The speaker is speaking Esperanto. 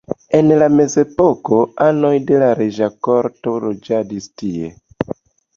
En la mezepoko anoj de la reĝa korto loĝadis tie.